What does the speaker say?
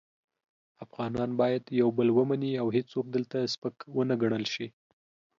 افغانان باید یو بل ومني او هیڅوک دلته سپک و نه ګڼل شي.